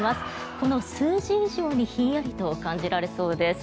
この数字以上にひんやりと感じられそうです。